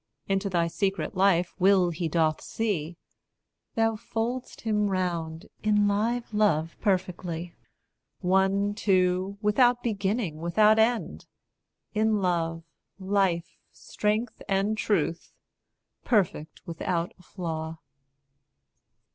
Into thy secret life will he doth see; Thou fold'st him round in live love perfectly One two, without beginning, without end; In love, life, strength, and truth, perfect without a flaw.